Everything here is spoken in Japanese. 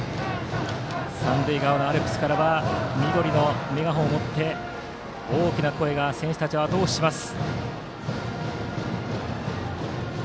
三塁側のアルプスからは緑のメガホンを持って大きな声が選手をあと押しします。